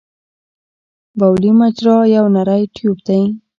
بولي مجرا یو نری ټیوب دی.